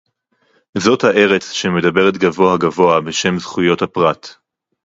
זאת הארץ שמדברת גבוהה-גבוהה בשם זכויות הפרט